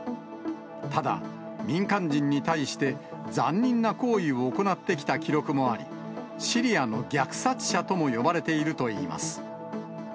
ただ、民間人に対して残忍な行為を行ってきた記録もあり、シリアの虐殺者とも呼ばれているといいます。